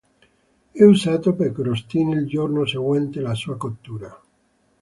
È usato per crostini il giorno seguente la sua cottura.